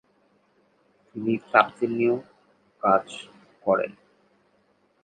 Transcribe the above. তিনি তাফসীর নিয়েও কাজ করেন।